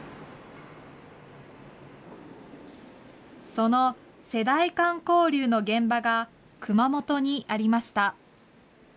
その世代間交流の現場が熊本にありました。